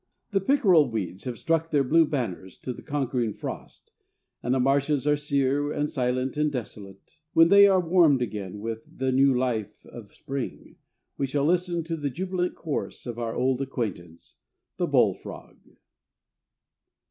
The pickerel weeds have struck their blue banners to the conquering frost, and the marshes are sere, and silent, and desolate. When they are warmed again with the new life of spring, we shall listen for the jubilant chorus of our old acquaintance, the bullfrog.